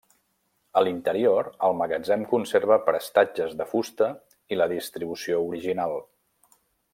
A l'interior, el magatzem conserva prestatges de fusta i la distribució original.